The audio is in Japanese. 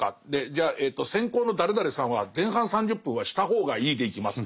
じゃあ先攻の誰々さんは前半３０分は「した方がいい」でいきます。